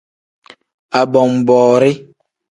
Abonboori.